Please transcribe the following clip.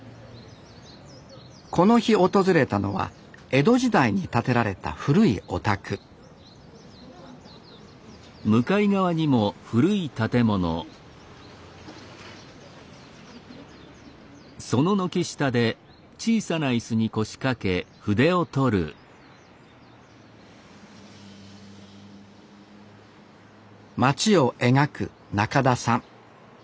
この日訪れたのは江戸時代に建てられた古いお宅街を描くなかださん。